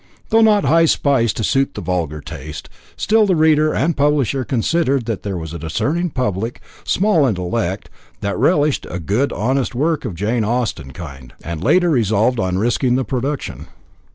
Though not high spiced to suit the vulgar taste, still the reader and the publisher considered that there was a discerning public, small and select, that relished good, honest work of the Jane Austen kind, and the latter resolved on risking the production.